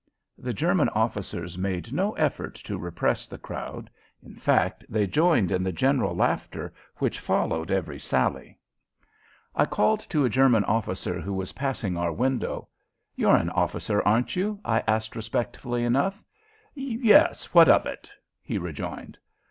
The German officers made no effort to repress the crowd; in fact, they joined in the general laughter which followed every sally. I called to a German officer who was passing our window. "You're an officer, aren't you?" I asked, respectfully enough. "Yes. What of it?" he rejoined.